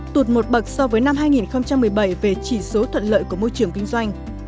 tụt một bậc so với năm hai nghìn một mươi bảy về chỉ số thuận lợi của môi trường kinh doanh